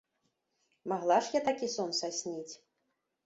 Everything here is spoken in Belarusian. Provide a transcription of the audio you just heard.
Магла ж я такі сон сасніць.